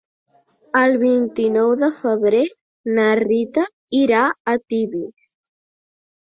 El vint-i-nou de febrer na Rita irà a Tibi.